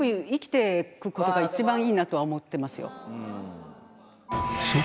ことが一番いいなとは思ってますよ。